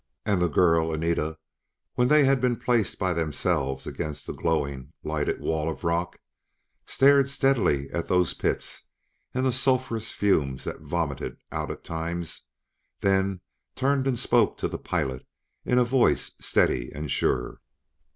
And the girl, Anita, when they had been placed by themselves against a glowing, lighted wall of rock, stared steadily at those pits and the sulphurous fumes that vomited out at times; then turned and spoke to the pilot in a voice steady and sure.